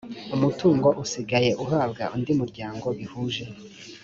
umutungo usigaye uhabwa undi muryango bihuje